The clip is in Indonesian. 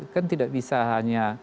kan tidak bisa hanya